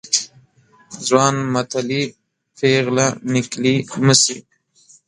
ځوان متلي ، پيغله نکلي مه سي.